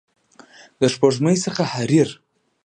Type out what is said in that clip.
د سپوږمۍ څخه حریر